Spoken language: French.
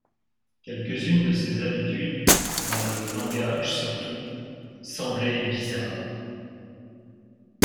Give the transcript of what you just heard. Quelques-unes de ces habitudes, dans le langage surtout, semblaient bizarres.